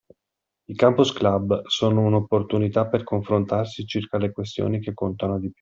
I Campus Club sono una opportunità per confrontarsi circa le questioni che contano di più.